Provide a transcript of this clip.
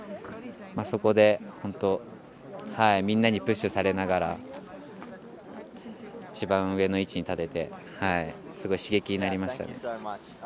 そこでみんなにプッシュされながら一番上の位置に立てて刺激になりました。